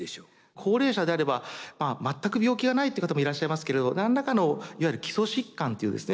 高齢者であればまあ全く病気がないって方もいらっしゃいますけれど何らかのいわゆる基礎疾患というですね